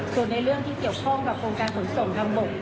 ส่วนในเรื่องที่เกี่ยวข้องกับโครงการขนส่งทางบก